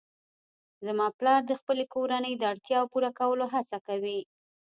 زما پلار د خپلې کورنۍ د اړتیاوو پوره کولو هڅه کوي